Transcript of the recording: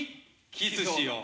キスしよう。